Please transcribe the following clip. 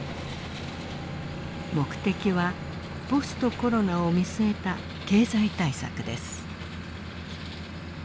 目的はポストコロナを見据えた経済対策です。